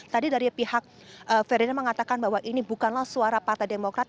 tadi dari pihak ferdinand mengatakan bahwa ini bukanlah suara partai demokrat